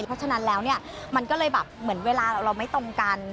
เพราะฉะนั้นแล้วเนี่ยมันก็เลยแบบเหมือนเวลาเราไม่ตรงกัน